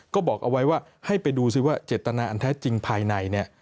ก็บอกเอาไว้ว่าให้ไปดูครับเจ็ดตนาอันแท้จริงภายใน